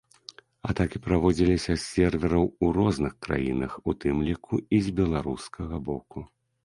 Атакі праводзіліся з сервераў у розных краінах, у тым ліку і з беларускага боку.